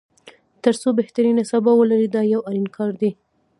تر څو بهترینه سبا ولري دا یو اړین کار دی.